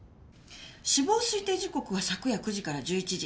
死亡推定時刻は昨夜９時から１１時。